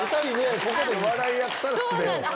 ここで笑い合ったらスベる。